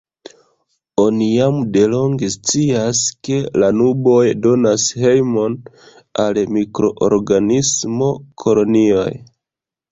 Oni jam delonge scias, ke la nuboj donas hejmon al mikroorganismo-kolonioj.